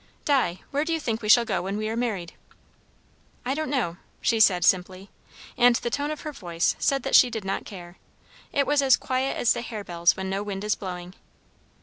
"Di, where do you think we shall go when we are married?" "I don't know," she said simply; and the tone of her voice said that she did not care. It was as quiet as the harebells when no wind is blowing.